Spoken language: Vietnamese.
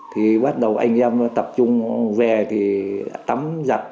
thì bắt đầu anh em tập trung về thì tắm giặt